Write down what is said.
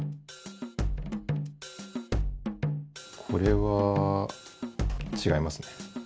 これはちがいますね。